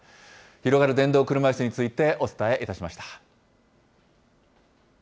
広がる電動車いすについてお伝えしました。